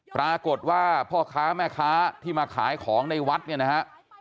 ปรากฏว่าพ่อค้าแม่ค้าที่มาขายของในวัดเนี่ยนะฮะ